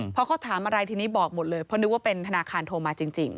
พอเขาถามอะไรทีนี้บอกหมดเลยเพราะนึกว่าเป็นธนาคารโทรมาจริง